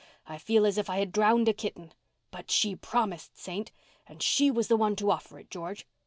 I feel as if I had drowned a kitten. But she promised, Saint—and she was the one to offer it, George.